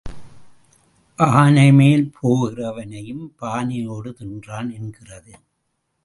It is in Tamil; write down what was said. ஆனைமேல் போகிறவனையும் பானையோடு தின்றான் என்கிறது.